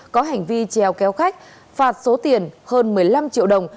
có hành vi treo kéo khách phạt số tiền hơn một mươi năm triệu đồng